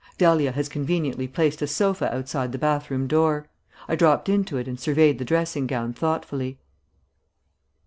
Dahlia has conveniently placed a sofa outside the bathroom door. I dropped into it and surveyed the dressing gown thoughtfully.